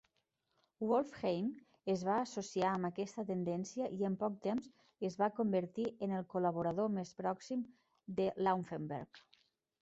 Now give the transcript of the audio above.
Wolffheim es va associar amb aquesta tendència i en poc temps es va convertir en el col·laborador més pròxim de Laufenberg.